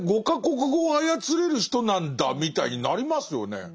５か国語を操れる人なんだみたいになりますよね。